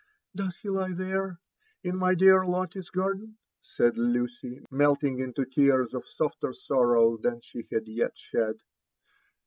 "Does be lie there f — in my dear Lotte's garden?" said Lucy, melting into tears of softer sorrow than she had yet shed.